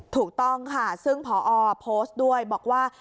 ถูกต้องค่ะซึ่งพอโพสต์ด้วยบอกว่า